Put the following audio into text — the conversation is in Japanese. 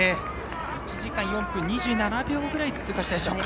４分２７秒ぐらいで通過したでしょうか。